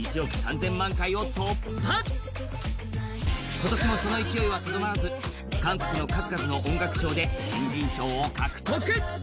今年もその勢いはとどまらず韓国の数々の音楽賞で新人賞を獲得。